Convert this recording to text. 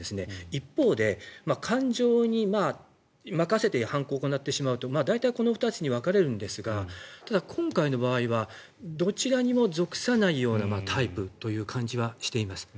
一方で、感情に任せて犯行を行ってしまうと大体この２つに分かれるんですがただ、今回の場合はどちらにも属さないようなタイプという感じはしています。